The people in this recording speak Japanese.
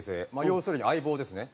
要するに相棒ですね。